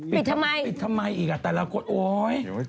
ทำไมปิดทำไมอีกอ่ะแต่ละคนโอ๊ย